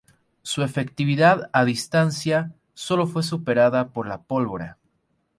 Su efectividad a distancia solo fue superada por la pólvora.